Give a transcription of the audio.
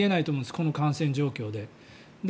この感染状況で。